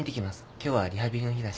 今日はリハビリの日だし。